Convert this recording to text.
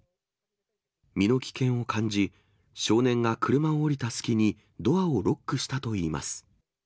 身の危険を感じ、少年が車を降りた隙に、ドアをロックしたといいます。